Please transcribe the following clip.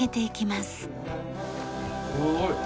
すごい。